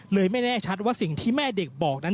ไม่แน่ชัดว่าสิ่งที่แม่เด็กบอกนั้น